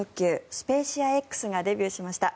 スペーシアＸがデビューしました。